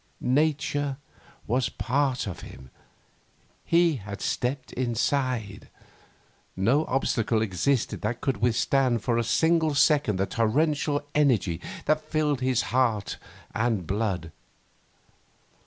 Nature was part of him. He had stepped inside. No obstacle existed that could withstand for a single second the torrential energy that fired his heart and blood.